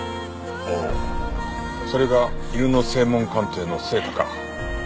ほうそれが犬の声紋鑑定の成果か。